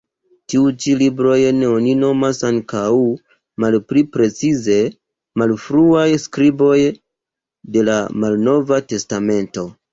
Tiujn ĉi librojn oni nomas ankaŭ, malpli precize, "malfruaj skriboj de la Malnova Testamento".